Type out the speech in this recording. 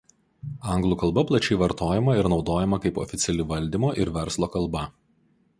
Anglų kalba plačiai vartojama ir naudojama kaip oficiali valdymo ir verslo kalba.